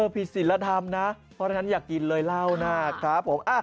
ผิดศิลธรรมนะเพราะฉะนั้นอย่ากินเลยเหล้านะครับผม